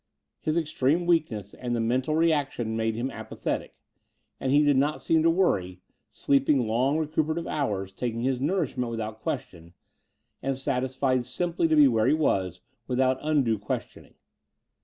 His extreme weakness and the mental reaction made him apathetic; and he did not seam to worry, sleeping long recuperative hours, taking his nourishment without question, and satisfied simply to be where he was without undue questioning.